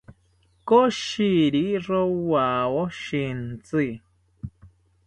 Koshiri rowawo shintzi